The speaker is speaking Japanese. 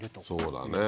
そうだね。